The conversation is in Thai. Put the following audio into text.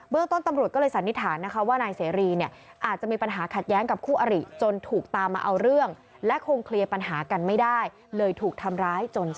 เบื้องต้นตำรวจก็เลยสันนิษฐานนะคะ